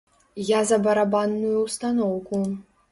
Я за барабанную ўстаноўку.